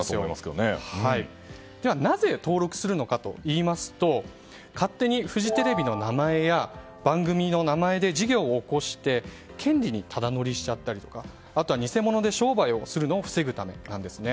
なぜ登録するのかといいますと勝手にフジテレビの名前や番組の名前で事業を起こして権利にただ乗りしたりあとは偽物で商売するのを防ぐためなんですね。